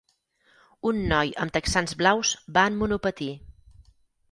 Un noi amb texans blaus va en monopatí.